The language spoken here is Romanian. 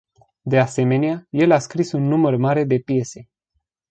De asemenea, el a scris un număr mare de piese